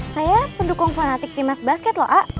saya pendukung fanatik tim nas basket loh